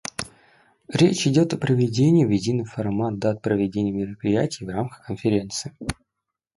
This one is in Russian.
Речь идет о приведении в единый формат дат проведения мероприятий в рамках Конференции.